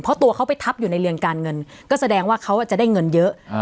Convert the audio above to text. เพราะตัวเขาไปทับอยู่ในเรือนการเงินก็แสดงว่าเขาจะได้เงินเยอะ